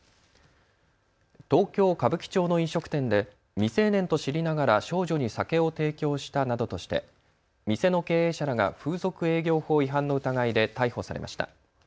東京歌舞伎町の飲食店で未成年と知りながら少女に酒を提供したなどとして店の経営者らが風俗営業法違反の疑いで逮捕されました。